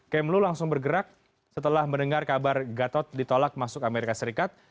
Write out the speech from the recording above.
kemlu langsung bergerak setelah mendengar kabar gatot ditolak masuk amerika serikat